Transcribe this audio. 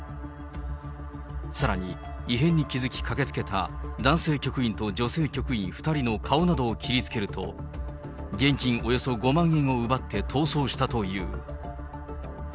さらに、異変に気付き、駆けつけた、男性局員と女性局員２人の顔などを切りつけると、現金およそ５万円を奪って逃走したという。